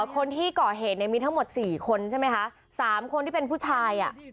คนที่เกาะเหตุในมีทั้งหมด๔คนใช่ไหมคะ๓คนที่เป็นผู้ชาย